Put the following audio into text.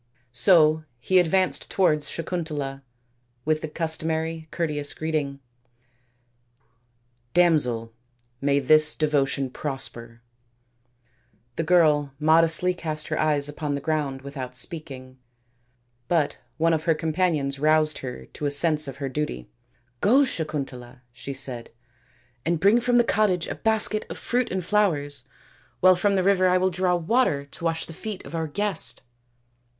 So he advanced towards Sakuntala with the customary courteous greeting, " Damsel, may this devotion prosper." The girl modestly cast her eyes upon the ground without speaking, but one of her companions roused her to a sense of her duty. " Go, Sakuntala," she said, " and bring from the cottage a basket of fruit and flowers, while from the river I will draw water to wash the feet of our guest."